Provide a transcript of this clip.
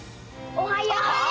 おはよう！